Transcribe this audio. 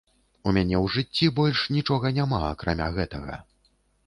У мяне ў жыцці больш нічога няма, акрамя гэтага.